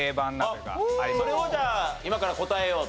それをじゃあ今から答えようと？